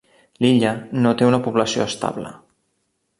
L'illa no té una població estable.